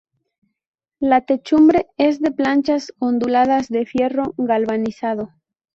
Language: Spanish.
La techumbre es de planchas onduladas de fierro galvanizado.